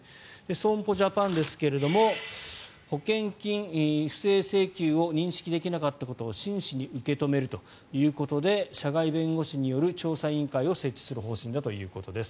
損保ジャパンですが保険金不正請求を認識できなかったことを真摯に受け止めるということで社外弁護士による調査委員会を設置する方針だということです。